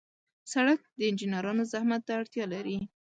سړک د انجنیرانو زحمت ته اړتیا لري.